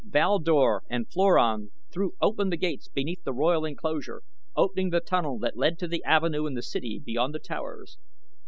Val Dor and Floran threw open the gates beneath the royal enclosure, opening the tunnel that led to the avenue in the city beyond the Towers.